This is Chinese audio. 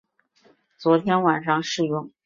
昨天晚上试用